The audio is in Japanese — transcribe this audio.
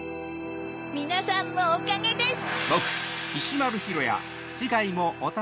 みなさんのおかげです！